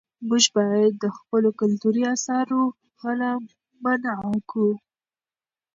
موږ باید د خپلو کلتوري اثارو غلا منعه کړو.